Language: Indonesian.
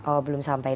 oh belum sampai